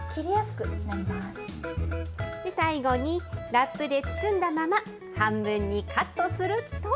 ラップで包んだまま半分にカットすると。